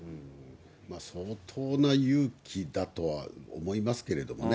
相当な勇気だとは思いますけどね。